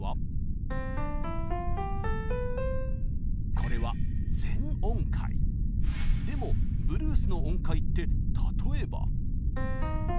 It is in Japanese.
これはでもブルースの音階って例えば。